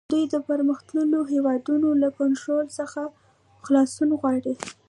دوی د پرمختللو هیوادونو له کنټرول څخه خلاصون غواړي